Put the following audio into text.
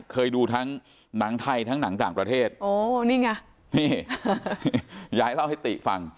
เคยดูทั้งหนังไทยทั้งหนังต่างประเทศโอ้นี่ไงนี่ยายเล่าให้ติฟัง